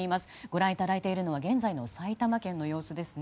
ご覧いただいているのは現在の埼玉県の様子です。